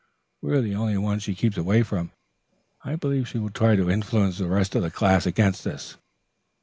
We are the only ones she keeps away from. I believe she will try to influence the rest of the class against us."